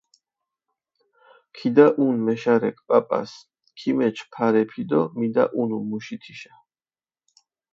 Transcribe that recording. ქიდაჸუნჷ მეშარექ პაპას, ქიმეჩჷ ფარეფი დო მიდაჸუნუ მუში თიშა.